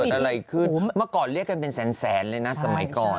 เกิดอะไรขึ้นเมื่อก่อนเรียกกันเป็นแสนเลยนะสมัยก่อน